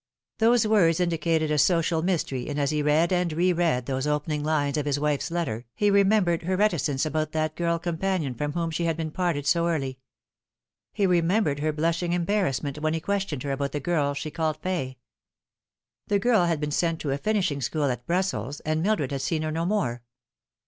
Those words indicated a social mystery, and as he read and re read those opening lines of his wife's letter he remembered her reticence about that girl companion from whom she had been parted so early. He remembered her blushing embarrass ment when he questioned her about the girl she called Fay. The girl had been sent to a finishing school at Brussels, and Mildred had seen her no more.